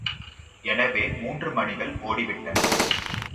எனவே மூன்று மணிகள் ஒடிவிட்டன.